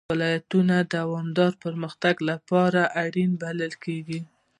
ولایتونه د دوامداره پرمختګ لپاره اړین بلل کېږي.